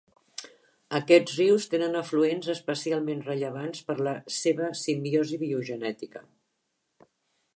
Aquests rius tenen afluents especialment rellevants per la seva simbiosi biogenètica.